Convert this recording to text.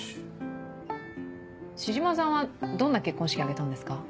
師島さんはどんな結婚式挙げたんですか？